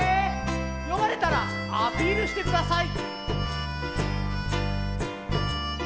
よまれたらアピールしてください！